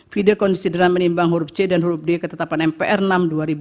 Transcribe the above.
video kondisi dalam menimbang huruf c dan huruf d ketetapan mpr no enam dua ribu satu